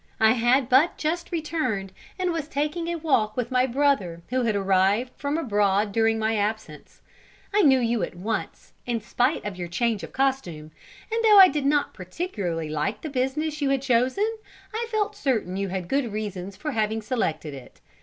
I had but just returned, and was taking a walk with my brother, who had arrived from abroad during my absence. I knew you at once, in spite of your change of costume, and though I did not particularly like the business you had chosen, I felt certain you had good reasons for having selected it.